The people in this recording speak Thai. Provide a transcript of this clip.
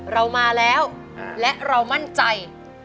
เรามาแล้วและเรามั่นใจ